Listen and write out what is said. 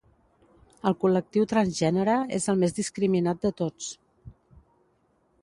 El col·lectiu transgènere és el més discriminat de tots.